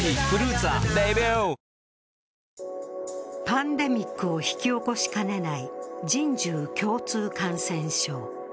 パンデミックを引き起こしかねない人獣共通感染症。